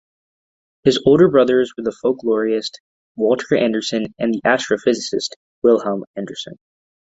His older brothers were the folklorist Walter Anderson and the astrophysicist Wilhelm Anderson.